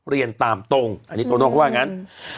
เรียนตามตรงอันนี้ตรงนอกว่างั้น